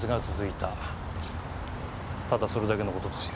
ただそれだけの事ですよ。